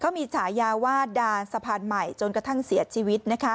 มีฉายาว่าดาสะพานใหม่จนกระทั่งเสียชีวิต